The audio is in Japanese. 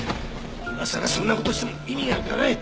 今さらそんな事をしても意味なんかない！